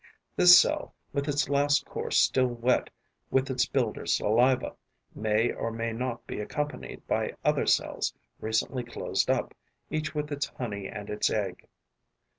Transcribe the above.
This cell, with its last course still wet with its builder's saliva, may or may not be accompanied by other cells recently closed up, each with its honey and its egg.